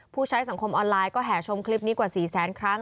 ใช้สังคมออนไลน์ก็แห่ชมคลิปนี้กว่า๔แสนครั้ง